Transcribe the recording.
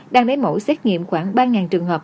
đang lấy mẫu xét nghiệm khoảng ba trường hợp